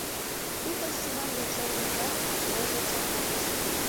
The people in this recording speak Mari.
У костюман Венцовым ужат, вожыл чакналтыш.